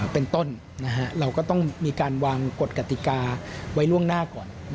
เป็นต้นเราก็ต้องมีการวางกฎกติกาไว้ล่วงหน้าก่อน